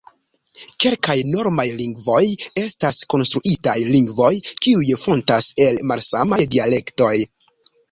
Kelkaj normaj lingvoj estas konstruitaj lingvoj, kiuj fontas el malsamaj dialektoj.